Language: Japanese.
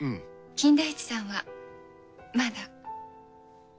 金田一さんはまだ？